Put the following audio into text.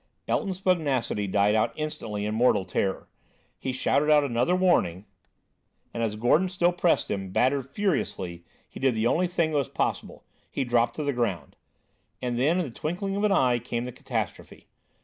Elton's pugnacity died out instantly in mortal terror. He shouted out another warning and as Gordon still pressed him, battering furiously, he did the only thing that was possible: he dropped to the ground. And then, in the twinkling of an eye came the catastrophe.